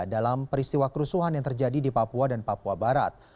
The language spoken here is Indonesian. dalam peristiwa kerusuhan yang terjadi di papua dan papua barat